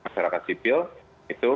siharakat sipil itu